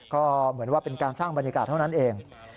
ก็เหมือนว่าเป็นการสร้างบรรยากาศเท่านั้นเอง